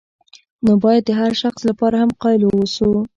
نو باید د هر شخص لپاره هم قایل واوسو.